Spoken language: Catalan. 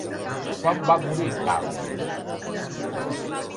Quan va morir Càl·lies?